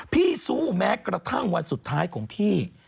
สู้แม้กระทั่งวันสุดท้ายของพี่